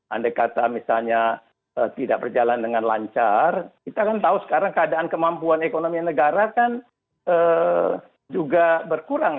andai kata misalnya tidak berjalan dengan lancar kita kan tahu sekarang keadaan kemampuan ekonomi negara kan juga berkurang